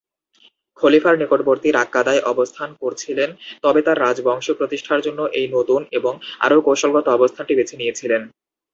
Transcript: খলিফা নিকটবর্তী রাক্কাদায় অবস্থান করছিলেন তবে তাঁর রাজবংশ প্রতিষ্ঠার জন্য এই নতুন এবং আরও কৌশলগত অবস্থানটি বেছে নিয়েছিলেন।